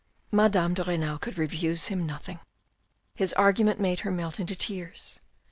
Madame de Renal could refuse him nothing. His argument made her melt into tears.